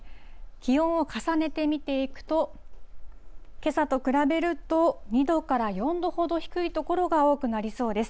気温を重ねて見ていくと、けさと比べると、２度から４度ほど低い所が多くなりそうです。